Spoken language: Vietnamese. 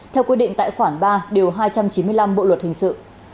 theo quy định tại khoản ba điều hai trăm chín mươi năm bộ luật hình sự